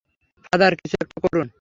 Father, কিছু একটা করুন!